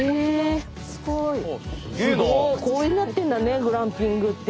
こういうふうになってるんだねグランピングって。